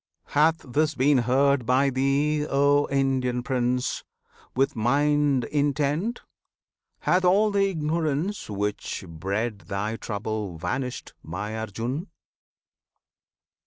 ] Hath this been heard by thee, O Indian Prince! With mind intent? hath all the ignorance Which bred thy trouble vanished, My Arjun?